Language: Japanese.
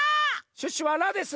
シュッシュはラです。